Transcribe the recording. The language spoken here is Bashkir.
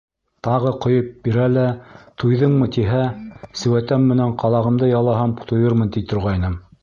Тағы ҡойоп бирә лә, туйҙыңмы тиһә, сеүәтәм менән ҡалағымды ялаһам, туйырмын, ти торғайным.